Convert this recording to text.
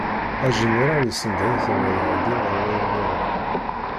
Ajiniral yessendeh-iten ad ɛeddin ɣer wayen-nniḍen.